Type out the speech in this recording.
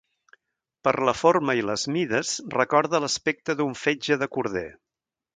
Per la forma i les mides recorda l'aspecte d'un fetge de corder.